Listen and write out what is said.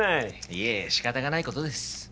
いえいえしかたがないことです。